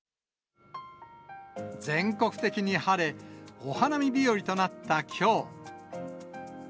全国的に晴れ、お花見日和となったきょう。